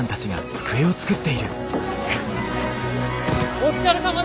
お疲れさまです。